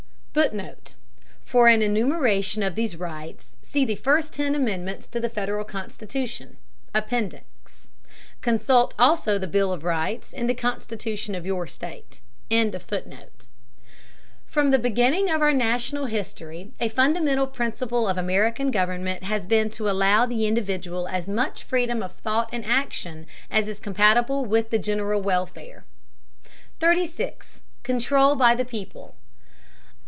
[Footnote: For an enumeration of these rights, see the first ten Amendments to the Federal Constitution, Appendix. Consult also the Bill of Rights in the constitution of your state.] From the beginning of our national history a fundamental principle of American government has been to allow the individual as much freedom of thought and action as is compatible with the general welfare. 36. CONTROL BY THE PEOPLE.